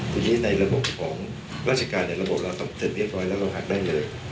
ทีนี้ในระบบของราชการในระบบเราทำเสร็จเรียบร้อยแล้วเราหักได้เลย